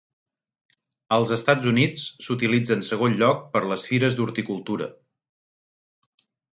Als Estats Units, s'utilitza en segon lloc per les fires d'horticultura.